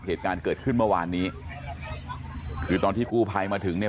เหตุการณ์เกิดขึ้นเมื่อวานนี้คือตอนที่กู้ภัยมาถึงเนี่ย